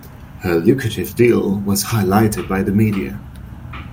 Her lucrative deal was highlighted by the media.